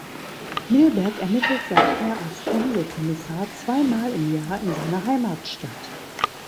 Milberg ermittelt seither als Fernseh-Kommissar zwei Mal im Jahr in seiner Heimatstadt.